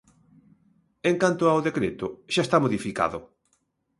En canto ao decreto, xa está modificado.